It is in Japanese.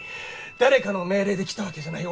誰かの命令で来たわけじゃない。